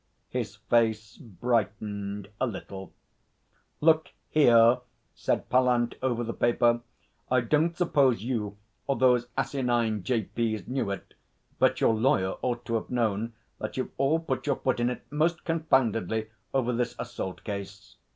His face brightened a little. 'Look here!' said Pallant over the paper. 'I don't suppose you or those asinine J.P.'s knew it but your lawyer ought to have known that you've all put your foot in it most confoundedly over this assault case.'